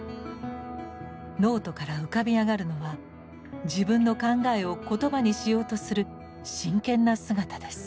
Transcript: ノートから浮かび上がるのは自分の考えを言葉にしようとする真剣な姿です。